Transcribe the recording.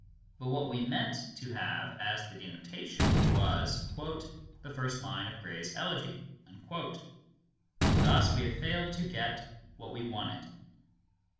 But what we meant to have as the denotation was "the first line of Gray's Elegy." Thus we have failed to get what we wanted.